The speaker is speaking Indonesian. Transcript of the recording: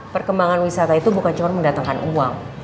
perkembangan wisata itu bukan cuma mendatangkan uang